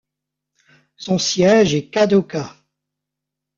Son siège est Kadoka.